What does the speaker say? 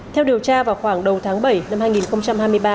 theo điều tra vào khoảng đầu tháng bảy năm hai nghìn hai mươi ba